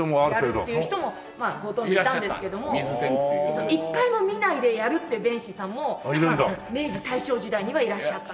やるっていう人もいたんですけども１回も見ないでやるっていう弁士さんも明治大正時代にはいらっしゃった。